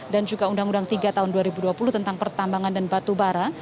dan juga undang undang tiga tahun dua ribu dua puluh tentang pertambangan dan batu bara